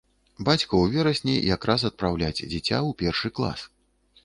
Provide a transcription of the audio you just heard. Бацьку ў верасні якраз адпраўляць дзіця ў першы клас.